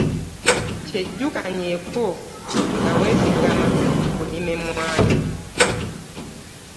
Kyejjukanyeeko nga weesigama ku kulima emmwanyi.